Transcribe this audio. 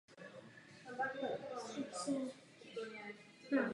Už v útlém dětství se stala součástí jeho života.